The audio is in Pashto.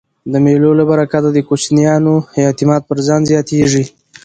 د مېلو له برکته د کوچنیانو اعتماد پر ځان زیاتېږي.